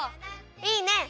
いいね！